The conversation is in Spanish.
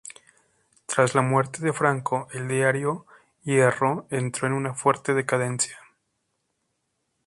Tras la muerte de Franco, el diario "Hierro" entró en una fuerte decadencia.